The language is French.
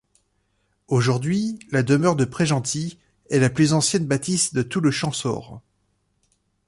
Aujourd'hui, la demeure de Prégentil est la plus ancienne bâtisse de tout le Champsaur.